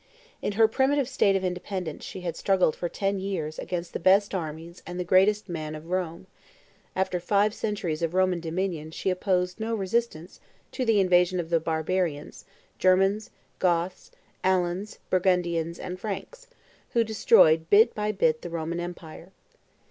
In her primitive state of independence she had struggled for ten years against the best armies and the greatest man of Rome; after five centuries of Roman dominion she opposed no resistance to the invasion of the barbarians, Germans, Goths, Alans, Burgundians, and Franks, who destroyed bit by bit the Roman empire.